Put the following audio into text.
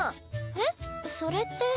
えっ？それって。